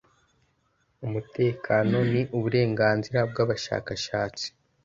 umutekano ni uburenganzira bw abashashatsi